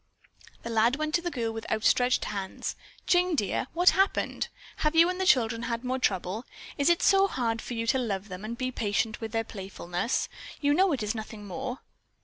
The lad went to the girl with outstretched hands. "Jane, dear, what has happened? Have you and the children had more trouble? Is it so hard for you to love them and be patient with their playfulness? You know it is nothing more."